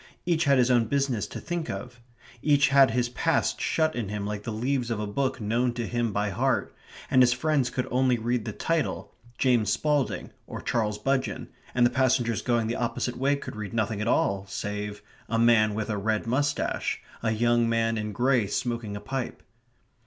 Each had his own business to think of. Each had his past shut in him like the leaves of a book known to him by heart; and his friends could only read the title, James Spalding, or Charles Budgeon, and the passengers going the opposite way could read nothing at all save "a man with a red moustache," "a young man in grey smoking a pipe."